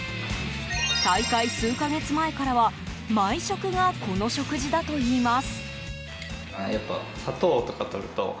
大会数か月前からは毎食が、この食事だといいます。